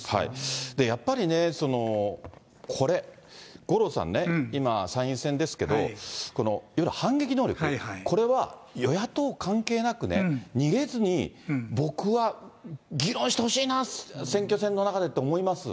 やっぱりね、これ、五郎さんね、今、参院選ですけど、いわゆる反撃能力、これは与野党関係なくね、逃げずに、僕は、議論してほしいな、選挙戦の中でって思います。